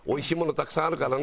たくさんあるからね。